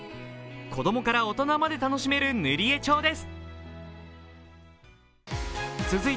子供から大人まで楽しめる塗絵帳です。